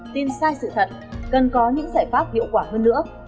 tin sai sự thật cần có những giải pháp hiệu quả hơn nữa